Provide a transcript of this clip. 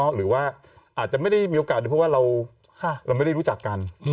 หรือว่าอาจจะไม่ได้มีโอกาสดูเพราะว่าเราไม่ได้รู้จักกัน